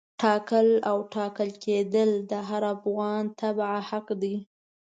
ټاکل او ټاکل کېدل د هر افغان تبعه حق دی.